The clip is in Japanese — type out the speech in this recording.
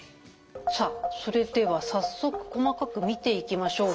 さあそれでは早速細かく見ていきましょうか。